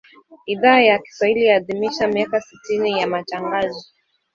Idhaa ya Kiswahili yaadhimisha miaka sitini ya Matangazo